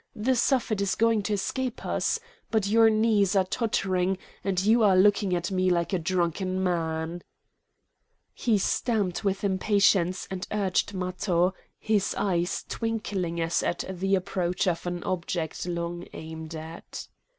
The Suffet is going to escape us! But your knees are tottering, and you are looking at me like a drunken man!" He stamped with impatience and urged Matho, his eyes twinkling as at the approach of an object long aimed at.